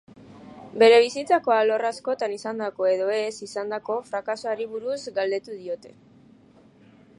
Bere bizitzako alor askotan izandako edo ez izandako frakasoari buruz galdetu diote.